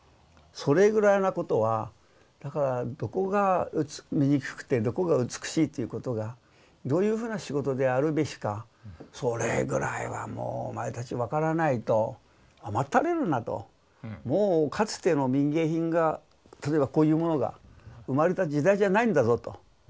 それぐらいなことはだからどこが醜くてどこが美しいっていうことがどういうふうな仕事であるべきかそれぐらいはもうお前たち分からないと甘ったれるなともうかつての民藝品が例えばこういうものが生まれた時代じゃないんだぞと。